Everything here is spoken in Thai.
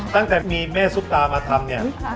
ตั้งแต่มีแม่ซุปตามาทำเนี่ย